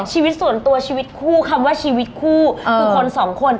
ชีวิตส่วนตัวชีวิตคู่คำว่าชีวิตคู่คือคนสองคน